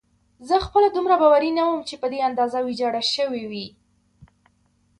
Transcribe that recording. زه خپله دومره باوري نه وم چې په دې اندازه ویجاړه شوې وي.